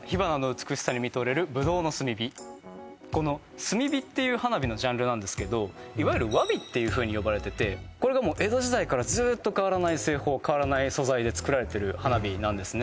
この炭火っていう花火のジャンルなんですけどいわゆる和火っていうふうに呼ばれててこれがもう江戸時代からずっと変わらない製法変わらない素材で作られてる花火なんですね